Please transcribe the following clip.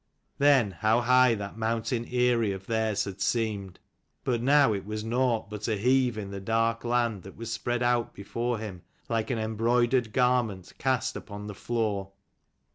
Then, how high that mountain eyrie of theirs had seemed : but now it was nought but a heave in the dark land that was spread out before him like an embroidered garment cast upon the floor.